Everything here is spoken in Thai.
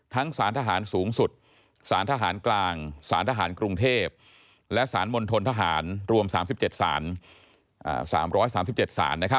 สารทหารสูงสุดสารทหารกลางสารทหารกรุงเทพและสารมณฑลทหารรวม๓๗สาร๓๓๗สาร